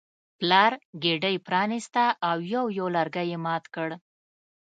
پلار ګېډۍ پرانیسته او یو یو لرګی یې مات کړ.